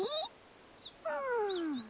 うん。